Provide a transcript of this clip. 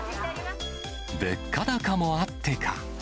物価高もあってか。